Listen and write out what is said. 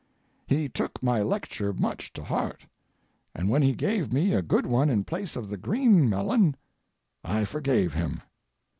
He took my lecture much to heart, and, when he gave me a good one in place of the green melon, I forgave him.